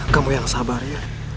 kamu yang sabar rian